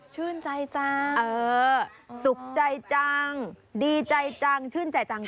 ชื่นใจจังเออสุขใจจังดีใจจังชื่นใจจัง